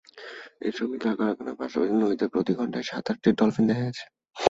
ওই সমীক্ষায় কারখানার পার্শ্ববর্তী নদীতে প্রতি ঘণ্টায় সাত আটটি ডলফিন দেখা গেছে।